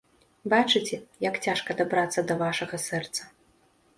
Бачыце, як цяжка дабрацца да вашага сэрца.